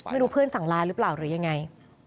ไม่รู้เพื่อนสั่งลาหรือเปล่าหรือยังไง